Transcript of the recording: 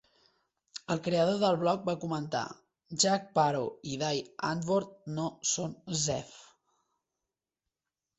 El creador del blog va comentar: "Jack Parow i Die Antwoord no són zef".